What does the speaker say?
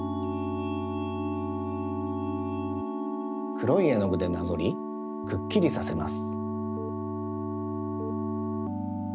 くろいえのぐでなぞりくっきりさせます。